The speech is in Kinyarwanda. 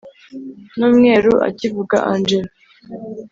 numweru akivuga angella